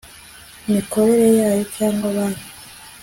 mikorere yayo cyangwa banki